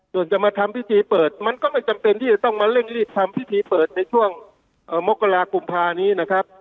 ส่วนจะมาทำพิธีเปิดมันก็ไม่จำเป็นที่จะต้องมาเร่งรีบทำพิธีเปิดในช่วงมกรากุมภานี้นะครับ